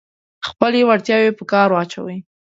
خپلې وړتیاوې په کار واچوئ.